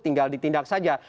tinggal ditindak saja